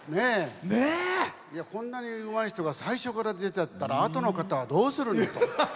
こんなにうまい人が最初から出ちゃったらあとの方はどうするのと。